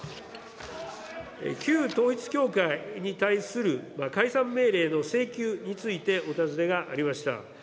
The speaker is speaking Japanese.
旧統一教会に対する解散命令の請求についてお尋ねがありました。